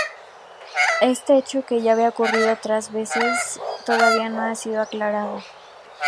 Este hecho, que ya había ocurrido otras veces, todavía no ha sido aclarado.